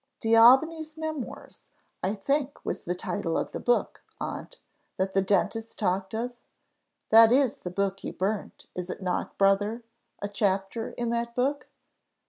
"D'Aubigny's Memoirs, I think, was the title of the book, aunt, that the dentist talked of? That is the book you burnt, is not it, brother? a chapter in that book?"